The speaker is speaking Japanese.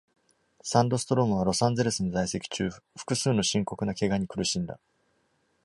サンドストロームは、ロサンゼルスに在籍中、複数の深刻な怪我に苦しんだ。